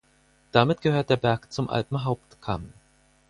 Damit gehört der Berg zum Alpenhauptkamm.